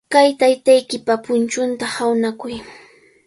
Kay taytaykipa punchunta hawnakuy.